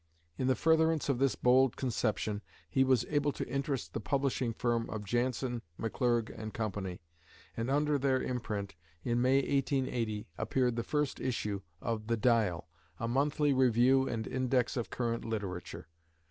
In the furtherance of this bold conception he was able to interest the publishing firm of Jansen, McClurg & Co.; and under their imprint, in May, 1880, appeared the first issue of THE DIAL, "a monthly review and index of current literature."